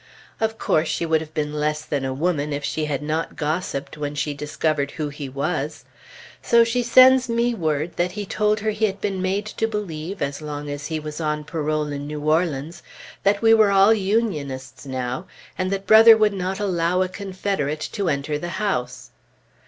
Of course, she would have been less than a woman if she had not gossiped when she discovered who he was. So she sends me word that he told her he had been made to believe, as long as he was on parole in New Orleans, that we were all Unionists now, and that Brother would not allow a Confederate to enter the house.